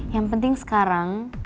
yang penting sekarang